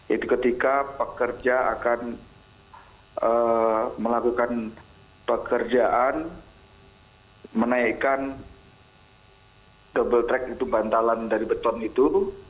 itu ketika pekerja akan melakukan pekerjaan menaikkan double track itu bantalan dari beton itu